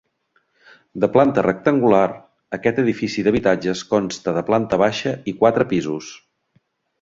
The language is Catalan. De planta rectangular, aquest edifici d'habitatges consta de planta baixa i quatre pisos.